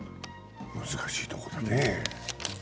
難しいとこだねえ。